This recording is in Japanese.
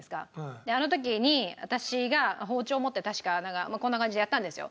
あの時に私が包丁を持って確かこんな感じでやったんですよ。